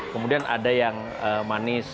kemudian ada yang manis